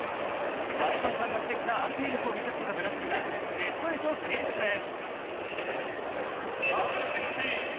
前園さんが指摘した安定力を見せつけたブラジルがベスト８進出です。